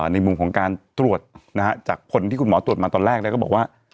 ในมุมของการตรวจจากผลที่คุณหมอตรวจมาตอนแรกก็บอกว่า